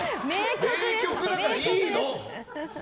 名曲だからいいの！